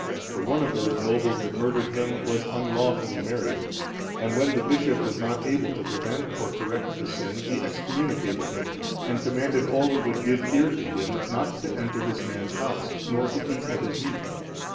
For one of those nobles(421) that murdered him was unlawfully married, and when the bishop was not able to prevent or correct the sin, he excommunicated him, and commanded all that would give ear to him not to enter this man's house, nor to eat of his meat.